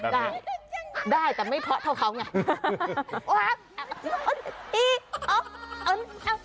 ได้ได้แต่ไม่เพราะเท่าเขาไง